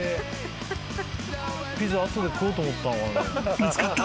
［見つかった。